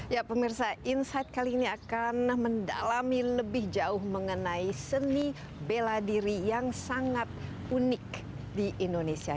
ya pemirsa insight kali ini akan mendalami lebih jauh mengenai seni bela diri yang sangat unik di indonesia